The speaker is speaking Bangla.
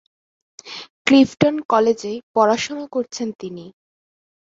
ক্লিফটন কলেজে পড়াশোনা করেছেন তিনি।